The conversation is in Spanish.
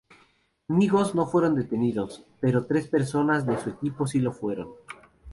Migos no fueron detenidos, pero tres personas de su equipo si lo fueron.